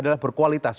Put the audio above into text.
itu adalah berkualitas